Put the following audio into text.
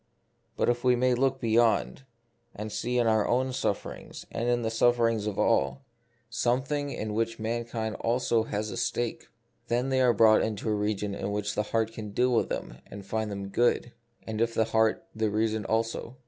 But if we may look beyond, and see in our own suf ferings, and in the sufferings of all, something 2,2 The Mystery of Pain. in which mankind also has a stake, then they are brought into a region in which the heart can deal with them and find them good. And if the heart, the reason also.